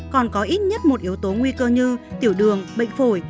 còn có ít nhất một yếu tố nguy cơ như tiểu đường bệnh phổi